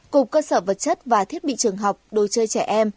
cục cơ sở vật chất và thiết bị trường học đồ chơi trẻ em